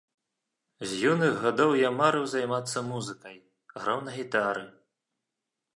З юных гадоў я марыў займацца музыкай, граў на гітары.